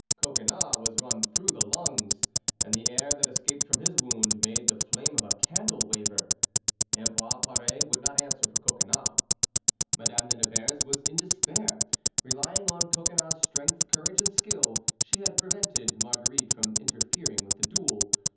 Coconnas was run through the lungs, and the air that escaped from his wound made the flame of a candle waver. Ambroise Paré would not answer for Coconnas. Madame de Nevers was in despair. Relying on Coconnas's strength, courage, and skill, she had prevented Marguerite from interfering with the duel.